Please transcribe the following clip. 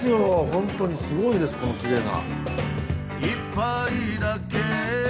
ホントにすごいですこのきれいな。